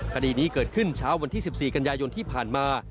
คดีนี้เกิดขึ้นเช้าวันที่๑๔กันยายนที่ผ่านมา